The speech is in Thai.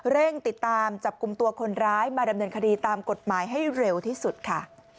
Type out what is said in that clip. เร่งติดตามจับกลุ่มตัวคนร้ายมาดำเนินคดีตามกฎหมายให้เร็วที่สุดค่ะ